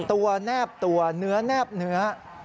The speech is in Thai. แนบตัวเนื้อแนบเนื้อ